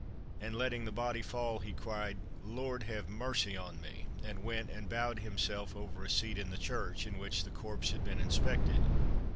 and letting the body fall, he cried, "Lord, have mercy upon me!" and went and bowed himself over a seat in the church, in which the corpse had been inspected.